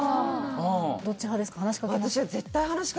うんどっち派ですか？